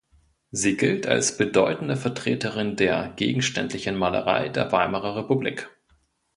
Sie gilt als bedeutende Vertreterin der gegenständlichen Malerei der Weimarer Republik.